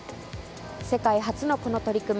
世界初の、この取り組み。